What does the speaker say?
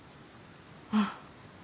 ああ。